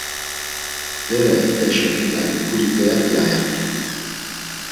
Bere idaşa iday guri p̌eat̆i ayert̆u.